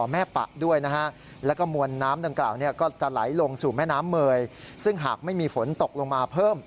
เมื่อยซึ่งหากไม่มีฝนตกลงมาเพิ่ม